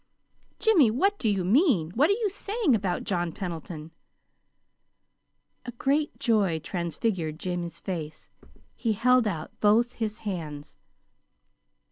Jimmy, what do you mean? What are you saying about John Pendleton?" A great joy transfigured Jimmy's face. He held out both his hands.